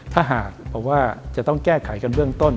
ถ้าหากบอกว่าจะต้องแก้ไขกันเบื้องต้น